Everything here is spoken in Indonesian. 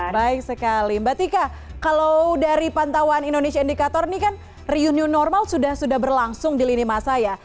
baik sekali mbak tika kalau dari pantauan indonesia indikator ini kan riu new normal sudah sudah berlangsung di lini masa ya